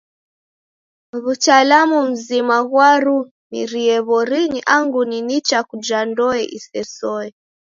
W'utalamu mzima ghwarumirie w'orinyi angu ni nicha kuja ndoe isesoe.